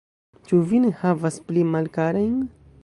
Ĉu vi ne havas pli malkarajn?